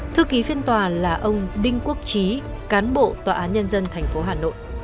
thư ký phiên tòa là ông đinh quốc trí cán bộ tòa án nhân dân thành phố hà nội